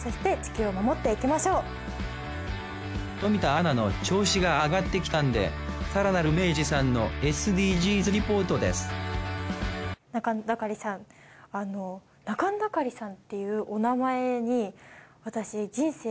冨田アナの調子が上がってきたんで更なる明治さんのＳＤＧｓリポートですナカンダカリさん